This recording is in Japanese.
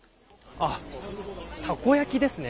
あっ、たこ焼きですね。